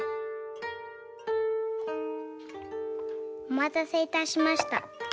おまたせいたしました。